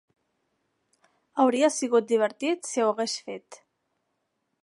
Hauria sigut divertit si ho hagués fet.